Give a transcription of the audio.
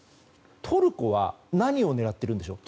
トルコは何を狙っているのでしょう。